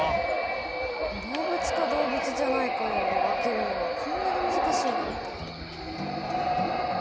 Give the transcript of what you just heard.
動物か動物じゃないかを分けるのがこんなに難しいなんて。